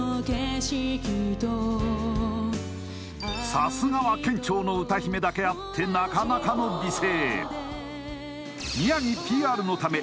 さすがは県庁の歌姫だけあってなかなかの美声